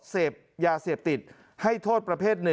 เสพยาเสพติดให้โทษประเภท๑